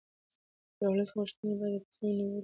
د ولس غوښتنې باید د تصمیم نیولو